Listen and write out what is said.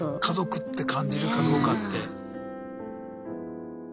家族って感じるかどうかって。